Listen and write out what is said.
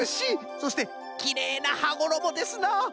そしてきれいなはごろもですな。